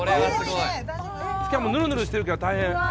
しかもぬるぬるしてるから大変。